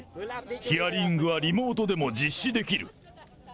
ヒアリングはリモートでも実施できる。